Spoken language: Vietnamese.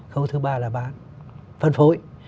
khâu thứ ba là bán phân phối